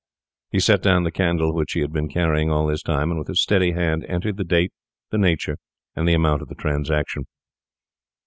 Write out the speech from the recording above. He set down the candle which he had been carrying all this time, and with a steady hand entered the date, the nature, and the amount of the transaction.